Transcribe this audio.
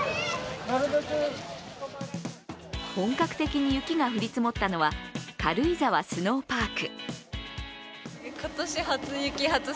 本格的に雪が降り積もったのは軽井沢スノーパーク。